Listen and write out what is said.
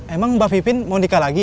emang mbak vivian mau nikah lagi ya